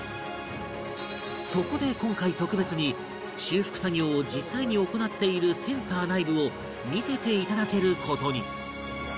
そこで今回特別に修復作業を実際に行っているセンター内部を見せて頂ける事に